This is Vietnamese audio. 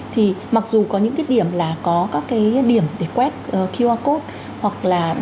thì mặc dù có những cái điểm là có các cái điểm để quét qr code